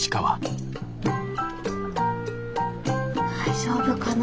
大丈夫かな？